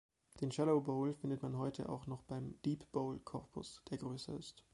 Den Shallow Bowl findet man heute auch noch beim "Deep-Bowl"-Korpus, der größer ist.